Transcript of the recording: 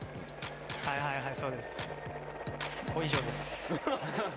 はいはいはいそうです。